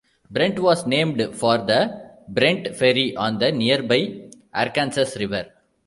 Brent was named for the Brent Ferry on the nearby Arkansas River.